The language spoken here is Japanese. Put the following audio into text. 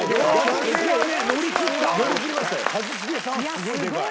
すごいでかい。